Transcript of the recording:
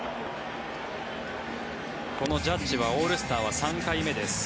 このジャッジはオールスターは３回目です。